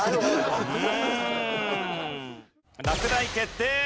落第決定！